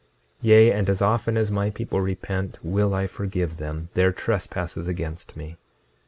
26:30 Yea, and as often as my people repent will I forgive them their trespasses against me.